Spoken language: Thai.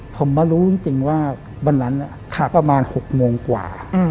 ผมมารู้จริงว่าวันนั้นประมาณ๖โมงกว่า